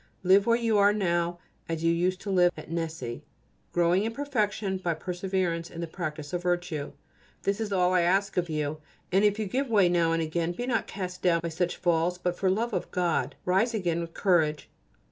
Live where you now are as you used to live at Nessy, growing in perfection by perseverance in the practice of virtue. This is all I ask of you. And if you give way now and again, be not cast down by such falls, but for love of God rise again with courage.